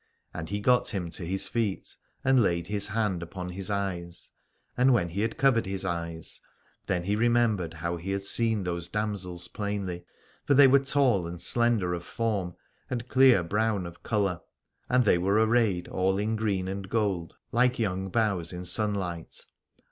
And he got him to his feet and laid his hand upon his eyes : and when he had covered his eyes then he remembered how he had seen those damsels plainly. For they were tall and slender of form and clear brown of colour: and they were arrayed all in green and gold like young boughs in sunlight.